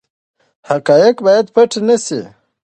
حقایق باید پټ نه سي.